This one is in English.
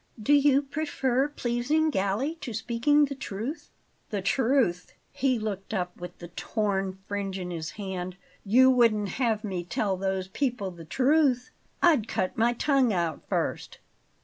"Do you prefer pleasing Galli to speaking the truth?" "The truth!" He looked up with the torn fringe in his hand. "You wouldn't have me tell those people the truth? I'd cut my tongue out first!"